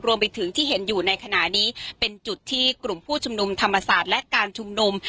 รวมไปถึงที่เห็นอยู่ในขณะนี้เป็นจุดที่กลุ่มผู้ชุมนุมธรรมศาสตร์และการชุมนุม